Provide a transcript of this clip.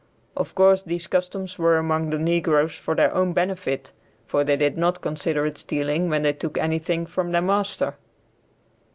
Of course these customs were among the negroes for their own benefit, for they did not consider it stealing when they took anything from their master.